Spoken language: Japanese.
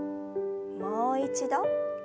もう一度。